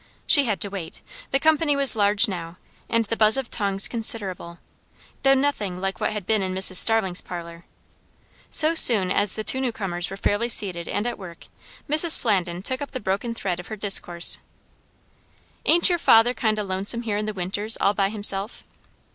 She had to wait. The company was large now, and the buzz of tongues considerable; though nothing like what had been in Mrs. Starling's parlour. So soon as the two new comers were fairly seated and at work, Mrs. Flandin took up the broken thread of her discourse. "Ain't your father kind o' lonesome here in the winters, all by himself?"